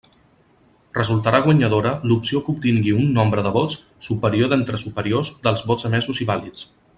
Resultarà guanyadora l'opció que obtingui un nombre de vots superior d'entre superiors dels vots emesos i vàlids.